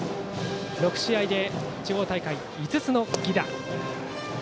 ６試合で地方大会５つの犠打。